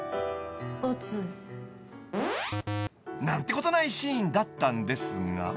［何てことないシーンだったんですが］